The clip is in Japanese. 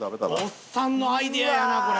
オッサンのアイデアやなこれ。